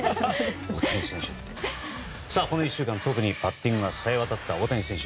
この１週間特にバッティングがさえわたった大谷選手。